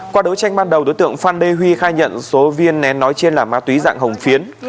qua đấu tranh ban đầu đối tượng phan đê huy khai nhận số viên nén nói trên là ma túy dạng hồng phiến